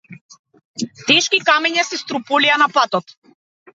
Тешки камења се струполија на патот.